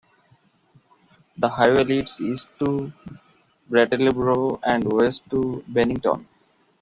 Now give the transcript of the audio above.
The highway leads east to Brattleboro and west to Bennington.